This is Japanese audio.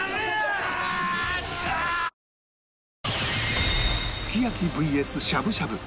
ピンポーンすき焼き ＶＳ しゃぶしゃぶ